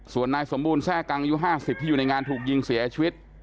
ส่วนนายสมบูรณแทร่กังอายุ๕๐ที่อยู่ในงานถูกยิงเสียชีวิต